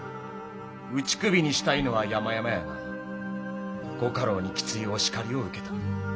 打ち首にしたいのはやまやまやが御家老にきついお叱りを受けた。